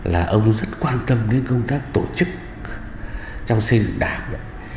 là ông rất quan tâm đến công tác tổ chức trong xây dựng đảng